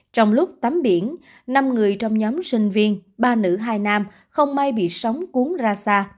trong lúc tắm biển năm người trong nhóm sinh viên ba nữ hai nam không may bị sóng cuốn ra xa